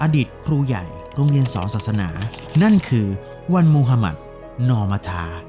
อดีตครูใหญ่โรงเรียนสองศาสนานั่นคือวันมุธมัธนอมธา